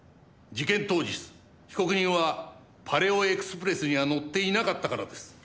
事件当日被告人はパレオエクスプレスには乗っていなかったからです。